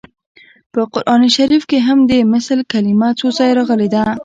په قران شریف کې هم د مثل کلمه څو ځایه راغلې ده